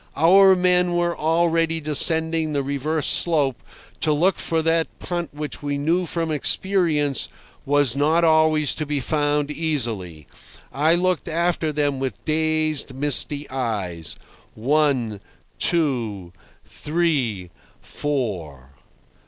Our men were already descending the reverse slope to look for that punt which we knew from experience was not always to be found easily. I looked after them with dazed, misty eyes. One, two, three, four.